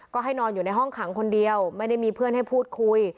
ก็ให้นอนอยู่ในห้องขังคนเดียวไม่ได้มีเพื่อนให้พูดคุย